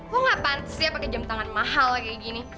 lu gak pantas sih yang pake jam tangan mahal kayak gini